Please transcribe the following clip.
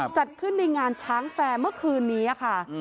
จัดขึ้นในงานช้างแฟร์เมื่อคืนนี้ค่ะ